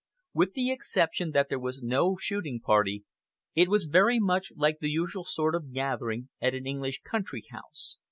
With the exception that there was no shooting party, it was very much like the usual sort of gathering at an English country house.